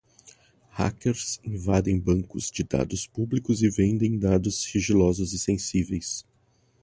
Hackers invadem bancos de dados públicos e vendem dados sigilosos e sensíveis